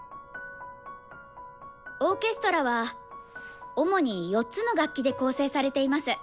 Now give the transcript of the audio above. オーケストラは主に４つの楽器で構成されています。